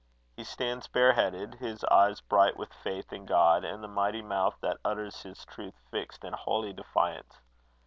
He stands bareheaded, his eyes bright with faith in God, and the mighty mouth that utters his truth, fixed in holy defiance.